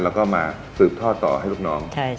แล้วก็มาสืบทอดต่อให้ลูกน้อง